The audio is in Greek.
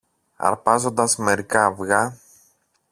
αρπάζοντας μερικά αυγά